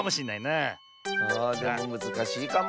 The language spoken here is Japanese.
あでもむずかしいかも。